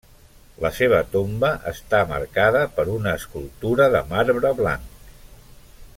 La seva tomba està marcada per una escultura de marbre blanc.